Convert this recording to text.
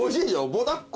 ぼだっこ。